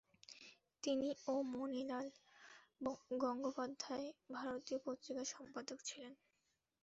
তিনি ও মণিলাল গঙ্গোপাধ্যায় 'ভারতী' পত্রিকার সম্পাদক ছিলেন।